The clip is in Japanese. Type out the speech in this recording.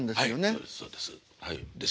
そうですそうです。